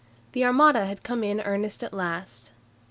The Armada had come in earnest at last.